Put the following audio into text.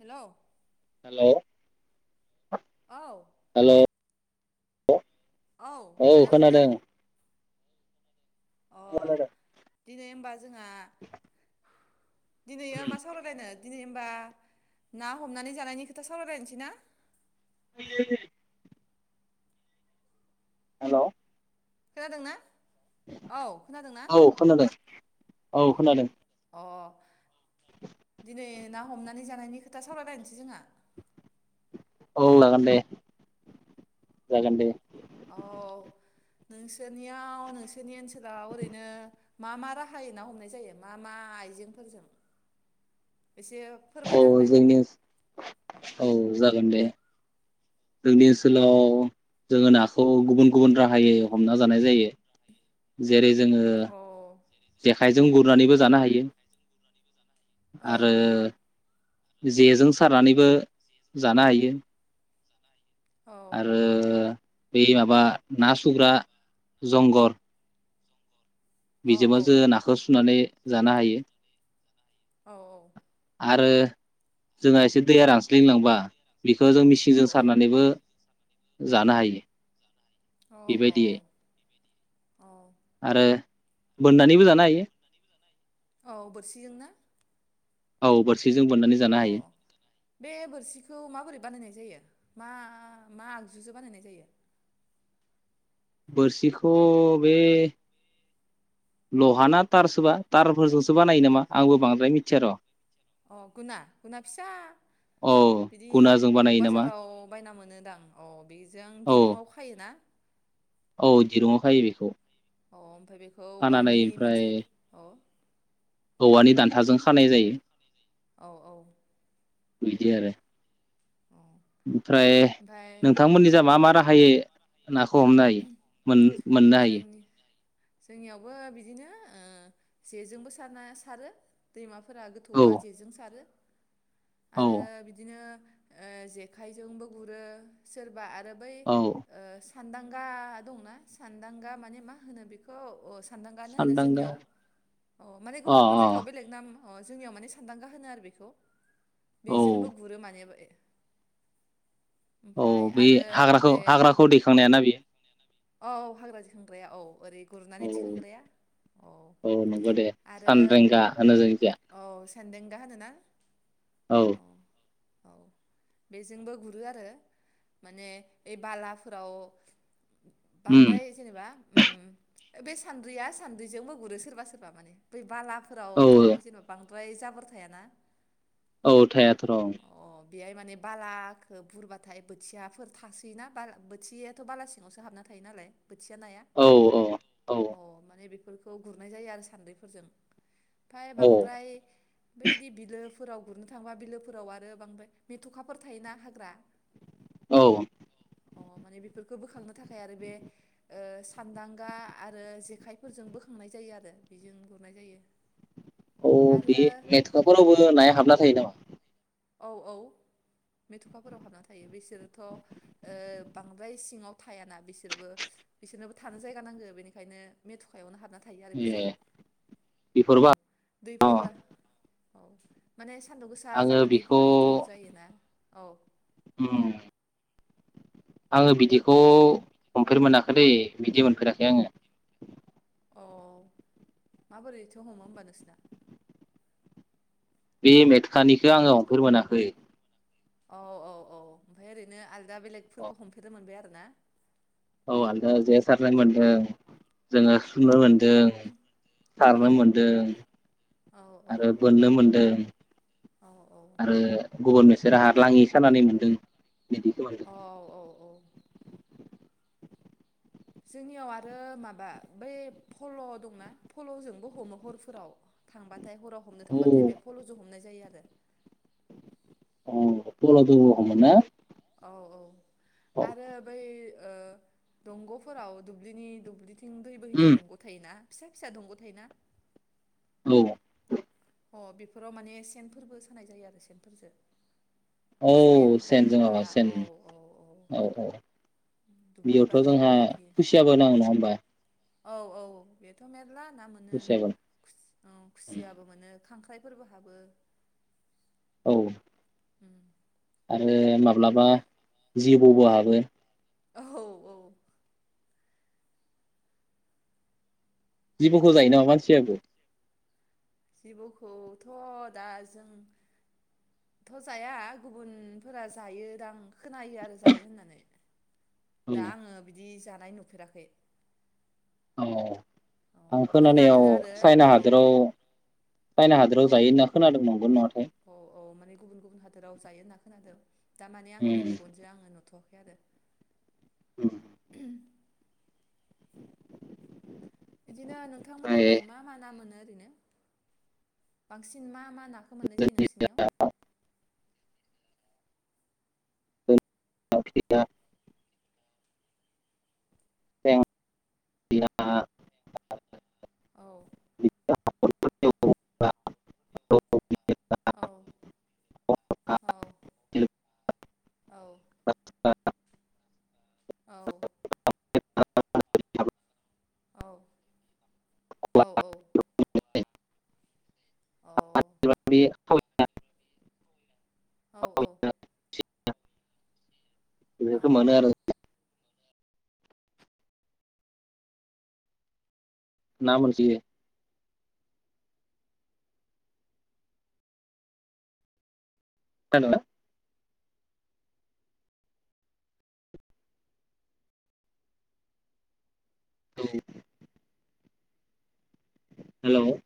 Hello hello औ औ खोनादोंना? अ [unintelligible] दिनै होमबा जोंहा दिनैयो मा हेल' सावरायलायनो दिनै होमबा ना हमनानै जानायनि खोथा सावरायलायनोसै ना? [unintelligible] हेलौ खोनादोंना? औ खोनादोंना? खोनादों औ खोनादों। अ दिनै ना हमनानै जानायनि खोथा सावरायलायनोसै जोंहा। औ जागोन दे जागोन दे। अ नोंसोरनियाव नोंसोरनि ओनसोलाव ओरैनो मा मा राहायै ना हमनाय जायो मा मा आइजेंफोरजों एसे अ फोरमायना होलाय जोंनि ओ औ जागोन दे। जोंनि ओनसोलाव जोङो नाखौ गुबुन गुबुन राहायै हमना जानाय जायो जेरै जोङो औ जेखाइजों गुरनानैबो जानो हायो। औ आरो जेजों सारनानैबो जानो हायो। औ आरो। बै माबा ना सुग्रा जंगद। अ औ बिजोंबो जों नाखौ सुनानै। जानो हायो। औ औ। आरो जोंहा एसे दैया रानस्लिंलांबा। बिखौ जों औ मेचिनजों सारनानैबो जानो हायो। बेबायदियै अ आरो बोननानैबो जानो हायो। औ बोरसिजों ना? औ बोरसि अ बे बोरसिखौ माबोरै बानायनाय जायो? मा मा आगजुजों बानायनाय जायो? बोरसिखौ बे लहा ना थारसोबा थारफोरजोंसो बानायो नामा आंबो बांद्राय मिथिया र। अ गुना गुना फिसा औ बिदि गुनाजों औ बानायो नामा बाजाराव बायना मोनोदां औ बेजों औ दिरुंआव खायोना। औ दिरुंआव खायो बेखौ। अ ओमफ्राय बेखौ खानानै औवानि ओमफ्राय मोनसे औ। औवानि दान्थाजों खानाय जायो। औ औ। बिदि आरो। ओमफ्राय ओमफ्राय नोंथांमोननि जा मा मा राहा बाहायो नाखौ हमनो हायो मोन-मोननो हायो? जोंनि जोंनियावबो बिदिनो ओ जेजोंबो सारना सारो दैमा फोरफोरा औ गोथौबा जेजों सारो। औ आरो बिदिनो ओ जेखायजोंबो गुरो सोरबा आरो बै औ ओ [unintelligible] गा दं ना सान्दांगा माने मा होनो बेखौ अ सानदांगानो होनो सानदांगा जोंनियाव अ माने गुबुन-गुबुन जायगायाव बेलेग नाम अ जोंनियाव माने सानदांगा होनो आरो बेखौ औ बेजोंबो गुरो माने औ ओमफाय बै आरो हाग्राखौ बे अ हाग्राखौ दैखांनायाना बेयो औ हाग्रा जखांग्राया औ ओरै गुरनानै औ थिखांग्राया औ नंगौ दे आरो सानरेंगा होनो जोंनिखिया औ सेेनदांगा होनोना औ औ औ बेजोंबो गुरो आरो माने ओइ बालाफोराव उम बांद्राय जेनेबा उम बे सान्द्रिया सान्द्रिजों बो गुरो सोरबा सोरबा माने बै बाला फोरावथ औ जेनबा ओमफ्राय जाबोर थायाना औ थायाथ' र' औ अ बेहाय माने बालाखौ बुरबाथाय बोथियाफोर थासोयोना बोथियाथ बालासि सिङावसो हाबना थायो नालाय बोथिया नाया औ औ अ माने बे फोरखौ गुरनाय जायो आरो सान्द्रिफोरजों ओमफाय औ बांद्राय बैदि बिलो फोराव गुरनो थांबा बिलोफोराव आरो बांद्राय मेथखाफोर थायोना हाग्रा औ अ माने बेफोरखौ बोखांनो बेनि थाखाय आरो बे सानदांगा आरो जेखाइफोरजों बोखांनाय जायो आरो बेजों गुरनाय जायो औ आरो बे मेथखाफोरावबो नाया हाबना थायो नामा औ औ मेथुखाफोराव हाबना थायो बिसोरोथ बांद्राय सिङाव थायाना बिसोरबो बिसोरनोबो थानो जायगा नांगो बेनिखायनो मेथुकायावनो हाबना थायो आरो ए बिसोरो औ बेफोरबा अ दैफोरा औ माने सान्दुं गोसा आङो जाबा दै बेखौ फोर गुदुं जायोना औ उम आङो बिदिखौ हमफेर मोनाखै दैै बिदि मोनफेराखै आङो अ माबोरैथो हमो होमबा नोंसिना बे मेथखानिखौ आङो हमफेर मोनाखै औ औ औ ओमफ्राय ओरैनो आल दा बेलेगफोरखौ हमफेरनो मोनबाय आरो ना औ आलदा जेसारनाय मोन्दों जोंङो सुनो अ मोनदों औ सारनो मोनदों औ आरो बोननो मोनदों औ आरो गुबुन मोन जेराहा लाङि सानानै मोनदों। बिदिखौ आरो औ औ औ जोंनियाव आरो माबा बै फल दंना फलजोंबो हमो हरफोराव थांबा थाय हराव हमनो औ थांबाथाय बे फल जों हमनाय जायो आरो [unintelligible] बलदर रखममोन ना औ औ औ आरो बै ओ दंगफोराव दुब्लिनि दुब्लि थिं दै बोहैनाय दंग थायोना फिसा फिसा दंगथायो ना औ [unintelligible] अ बेफोराव माने सेनफोरबो सानाय जायो आरो सेनफोरजो औ सेनजों औ सेन औ औ दुब्लि बेयावथ बारियाव जोंहा बिदि खुसियाबो नांङो नङा होमबा औ औ बेथ मेर ला ना मोनो खुसियाबो खुसि-खुसियाबो मोनो खांख्राइ फोरबो हाबो। औ उम आरो माब्लाबा जिबौबो हाबो औ औ जिबौखो जायो नामा मानसियाबो जिबौखौथ दा जों थ जाया गुबुनफोरा जायो दां खोनायो आरो जायो होननानै। दा आङो बिदि जा नाय नुफेराखै औ औ अ खोनादो खोनानायाव आरो चाइना औ हादोराव चाइना हादोराव औ जायो होनना खोनादों नंगौना नङाथाय [inaudible] औ औ माने गुबुन गुबुन हादोराव जायो होनना खोनादों दा माने ओम आंनि मेगनजो आङो नुथ आरो [unintelligible] इदिनो नोंथांमोनिखि ओमफ्राय मा मा ना मोनो रैनो बांसिन मा मा‌ नाखौ मोननाय जायो नोंसिनियाव [unintelligible] [unintelligible] औ [unintelligible] औ औ औ औ बेफोरखौ औ औ औ औ [unintelligible] [inaudible] औ औ बेफोरखो औ मोनो आरो जों ना मोनसोयो हेलौ औ हेलौ